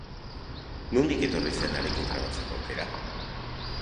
Nondik etorri zen harekin grabatzeko aukera?